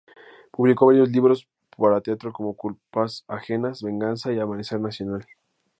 Publicó varios libros para teatro como ""Culpas Ajenas", "Venganza", y"Amanecer Nacional"".